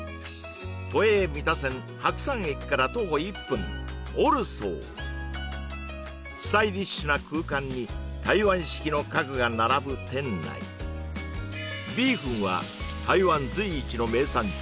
都営三田線白山駅から徒歩１分スタイリッシュな空間に台湾式の家具が並ぶ店内ビーフンは台湾随一の名産地